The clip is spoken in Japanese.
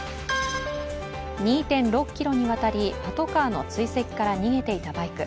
２．６ｋｍにわたりパトカーの追跡から逃げていたバイク。